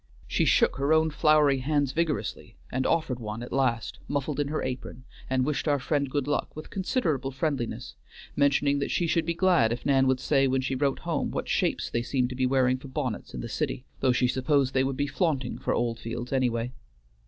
She shook her own floury hands vigorously, and offered one at last, muffled in her apron, and wished our friend good luck, with considerable friendliness, mentioning that she should be glad if Nan would say when she wrote home what shapes they seemed to be wearing for bonnets in the city, though she supposed they would be flaunting for Oldfields anyway.